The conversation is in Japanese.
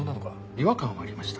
違和感はありました。